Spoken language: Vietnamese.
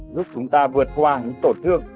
giúp chúng ta vượt qua những tổn thương